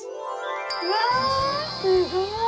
うわすごい！